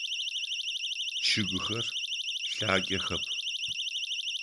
Чъыгыхэр лъагэхэп.